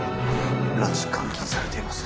拉致監禁されています